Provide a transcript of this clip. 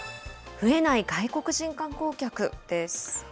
増えない外国人観光客です。